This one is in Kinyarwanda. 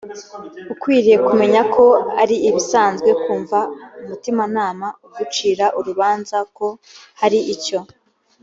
ukwiriye kumenya ko ari ibisanzwe kumva umutimanama ugucira urubanza ko hari icyo